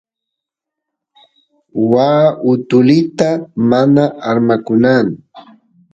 waa utulita mana armakunan